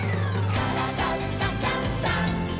「からだダンダンダン」